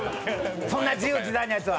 そんな自由自在なやつは。